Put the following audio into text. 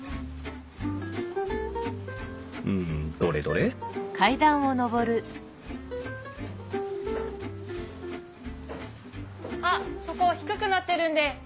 んどれどれあっそこ低くなってるんで頭。